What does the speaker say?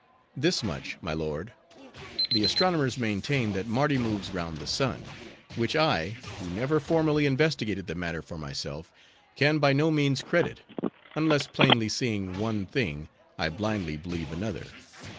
This much, my lord, the astronomers maintain that Mardi moves round the sun; which I, who never formally investigated the matter for myself, can by no means credit; unless, plainly seeing one thing, I blindly believe another.